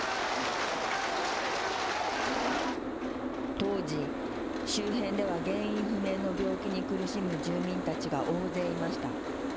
当時、周辺では原因不明の病気に苦しむ住民たちが大勢いました。